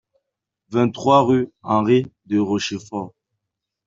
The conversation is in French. vingt-trois rue Henri de Rochefort